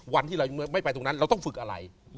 วันที่เรายังไม่ไปตรงนั้นเราต้องฝึกอะไร